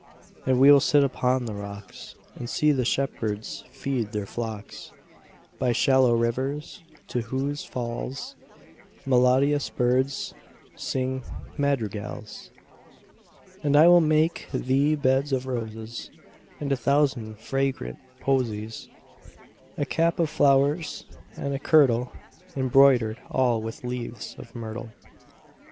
And we will sit upon the rocks, 5 And see the shepherds feed their flocks By shallow rivers, to whose falls Melodious birds sing madrigals. And I will make thee beds of roses And a thousand fragrant posies; 10 A cap of flowers, and a kirtle Embroider'd all with leaves of myrtle.